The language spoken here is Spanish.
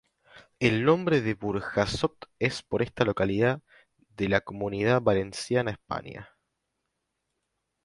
El nombre de Burjasot es por esta localidad de la Comunidad Valenciana España.